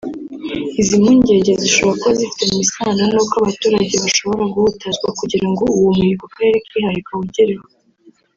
Izi mpungenge zishobora kuba zifitanye isano n’uko abaturage bashobora guhutazwa kugira ngo uwo muhigo akarere kihaye kawugereho